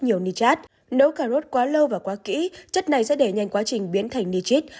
nhiều nitrate nấu cà rốt quá lâu và quá kĩ chất này sẽ để nhanh quá trình biến thành nitrite